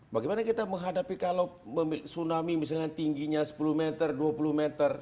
bagaimana kita menghadapi kalau tsunami misalnya tingginya sepuluh meter dua puluh meter